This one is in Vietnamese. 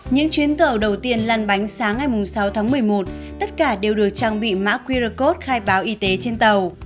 những chuyến tàu đầu tiên lăn bánh sáng ngày sáu tháng một mươi một tất cả đều được trang bị mã qr code khai báo y tế trên tàu